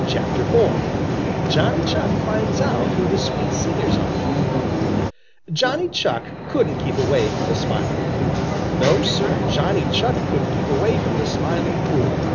IV. JOHNNY CHUCK FINDS OUT WHO THE SWEET SINGERS ARE Johnny Chuck couldn't keep away from the Smiling Pool. No, Sir, Johnny Chuck couldn't keep away from the Smiling Pool.